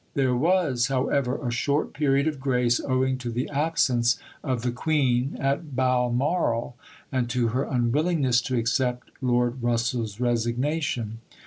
There was, however, a short period of grace owing to the absence of the Queen at Balmoral and to her unwillingness to accept Lord Russell's resignation.